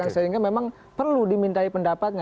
sehingga memang perlu dimintai pendapatnya